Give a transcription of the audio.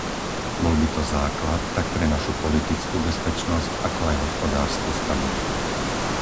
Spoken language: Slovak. Bol by to základ tak pre našu politickú bezpečnosť ako aj hospodársku stabilitu.